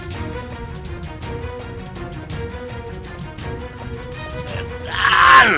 kau tidak bisa menang